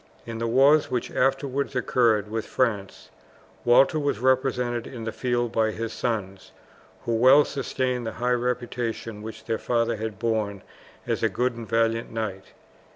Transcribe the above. In the wars which afterwards occurred with France Walter was represented in the field by his sons, who well sustained the high reputation which their father had borne as a good and valiant knight.